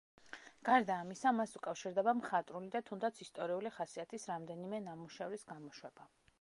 გარდა ამისა, მას უკავშირდება მხატვრული და თუნდაც ისტორიული ხასიათის რამდენიმე ნამუშევრის გამოშვება.